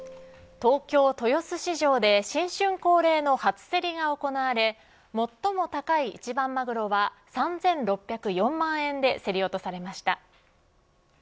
東京、豊洲市場で新春恒例の初競りが行われ最も高い一番マグロは３６０４万円で競り落とされました。